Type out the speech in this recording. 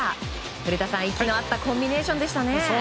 古田さん、息の合ったコンビネーションでしたね！